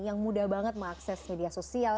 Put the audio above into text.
yang mudah banget mengakses media sosial